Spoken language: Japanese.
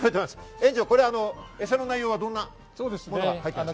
園長、エサの内容はどんなものが入ってますか？